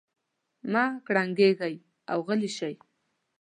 مه کړنګېږئ او غلي شئ.